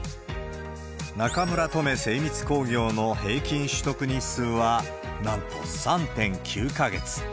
中村留精密工業の平均取得日数は、なんと３．９か月。